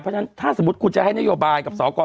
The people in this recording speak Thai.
เพราะฉะนั้นถ้าสมมุติคุณจะให้นโยบายกับสก